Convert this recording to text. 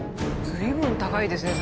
随分高いですね